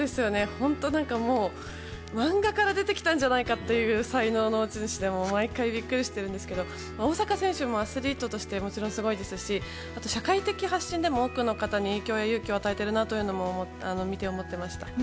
本当に、何かもう漫画から出てきたんじゃないかという才能の持ち主で毎回ビックリしていますが大坂選手もアスリートとしてすごいですしあと社会的発信でも多くの方に影響や勇気を与えているなというのを見て思いました。